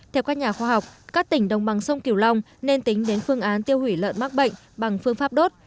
theo các nhà khoa học các tỉnh đồng bằng sông kiều long nên tính đến phương án tiêu hủy lợn mắc bệnh bằng phương pháp đốt